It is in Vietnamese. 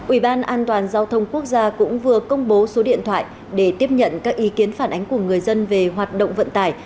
ủy ban an toàn giao thông quốc gia cũng vừa công bố số điện thoại để tiếp nhận các ý kiến phản ánh của người dân về hoạt động vận tải